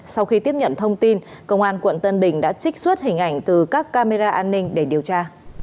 sau khi tiếp nhận thông tin công an quận tân bình đã trích xuất hình ảnh từ các camera an ninh để điều tra